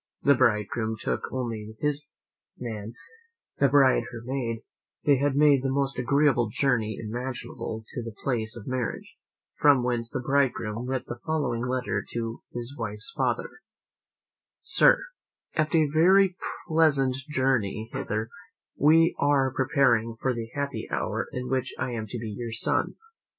The bridegroom took only his man, the bride her maid: they had the most agreeable journey imaginable to the place of marriage, from whence the bridegroom writ the following letter to his wife's father: "Sir, "After a very pleasant journey hither, we are preparing for the happy hour in which I am to be your son.